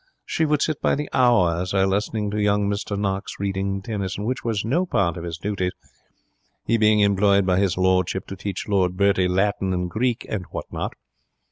She would sit by the hour, sir, listening to young Mr Knox reading Tennyson, which was no part of his duties, he being employed by his lordship to teach Lord Bertie Latin and Greek and what not.